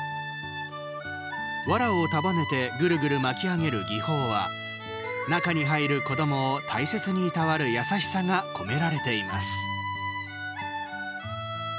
わらを束ねてぐるぐる巻き上げる技法は中に入る子どもを大切にいたわる優しさが込められています。